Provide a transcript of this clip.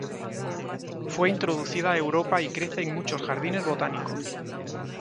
Fue introducida a Europa y crece en muchos jardines botánicos.